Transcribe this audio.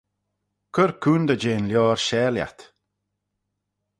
Cur coontey jeh'n lioar share lhiat.